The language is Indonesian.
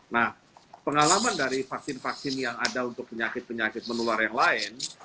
nah pengalaman dari vaksin vaksin yang ada untuk penyakit penyakit menular yang lain